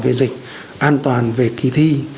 về dịch an toàn về kỳ thi